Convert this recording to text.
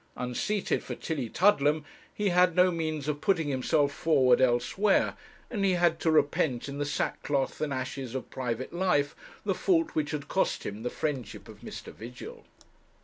Unseated for Tillietudlem, he had no means of putting himself forward elsewhere, and he had to repent, in the sackcloth and ashes of private life, the fault which had cost him the friendship of Mr. Vigil.